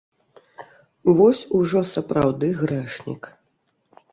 Вось ужо сапраўды грэшнік!